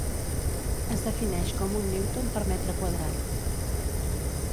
Es defineix com un newton per metre quadrat.